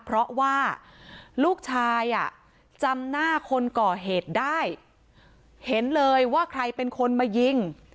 เพราะว่าลูกชายอ่ะจำหน้าคนก่อเหตุได้เห็นเลยว่าใครเป็นคนมายิง